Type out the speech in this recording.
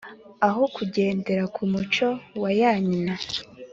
aho kugendera ku muco wa “ya nyina